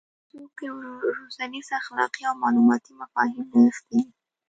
په کیسو کې روزنیز اخلاقي او معلوماتي مفاهیم نغښتي وي.